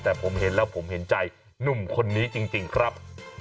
แต่ผมเห็นแล้วผมเห็นใจหนุ่มคนนี้จริงครับ